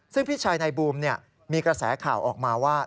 ซึ่งพี่ชายนายบูมมีกระแสข่าวออกมาว่า